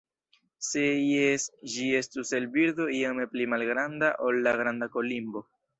Se jes, ĝi estus el birdo iome pli malgranda ol la Granda kolimbo.